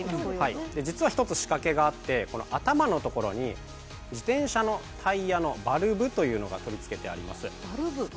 実は一つ仕掛けがあって、頭のところに、自転車のタイヤのバルブというものが取り付けてあります。